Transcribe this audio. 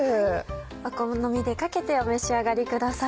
お好みでかけてお召し上がりください。